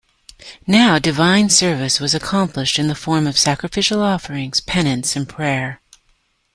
Now divine service was accomplished in the form of sacrificial offerings, penance and prayer.